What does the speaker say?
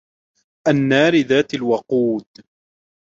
النَّارِ ذَاتِ الْوَقُودِ